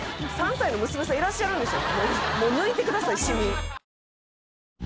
３歳の娘さんいらっしゃるんでしょ？